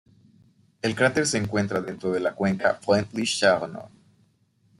El cráter se encuentra dentro de la Cuenca Freundlich-Sharonov.